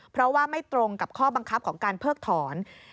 เพราะว่าไม่ตรงกับข้อบังคับของการเพิกถอน